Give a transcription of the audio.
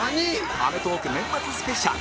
『アメトーーク』年末スペシャル